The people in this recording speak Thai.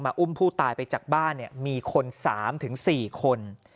อุ้มผู้ตายไปจากบ้านมีคน๓๔คน